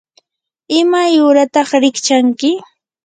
¿imay uurataq rikchanki?